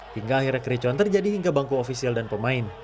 hingga akhirnya kericuan terjadi hingga bangku ofisial dan pemain